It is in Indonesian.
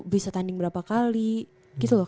bisa tanding berapa kali gitu loh